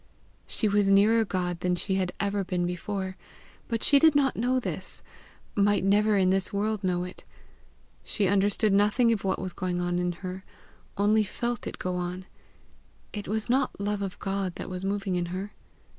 She was nearer God than she had ever been before. But she did not know this might never in this world know it; she understood nothing of what was going on in her, only felt it go on; it was not love of God that was moving in her.